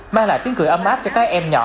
mang lại tiếng cười ấm áp cho các em nhỏ